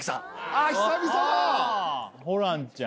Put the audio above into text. あホランちゃん。